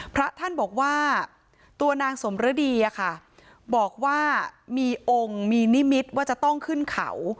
พระท่านบอกว่าตัวนางสมฤดีอะค่ะบอกว่ามีองค์มีนิมิตรว่าจะต้องขึ้นเขา